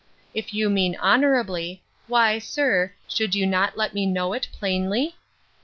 If you mean honourably, why, sir, should you not let me know it plainly?